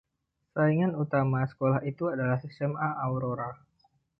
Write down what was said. Saingan utama sekolah itu adalah SMA Aurora.